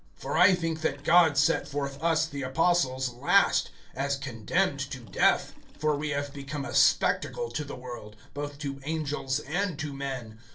(9)For I think that God set forth us the apostles last, as condemned to death; for we have become a spectacle to the world, both to angels and to men.